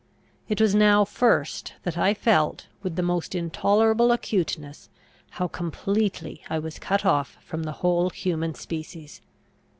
It was now first, that I felt, with the most intolerable acuteness, how completely I was cut off from the whole human species.